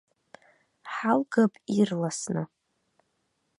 Ҳалгап ирласны.